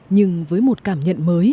nhưng với một cảm nhận